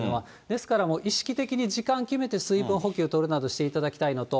ですからもう意識的に、時間決めて水分補給とるなどしていただきたいのと。